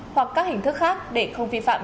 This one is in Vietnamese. hoặc các hình thức khác để không vi phạm